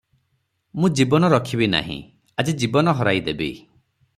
ମୁଁ ଜୀବନ ରଖିବି ନାହିଁ, ଆଜି ଜୀବନ ହରାଇ ଦେବି ।"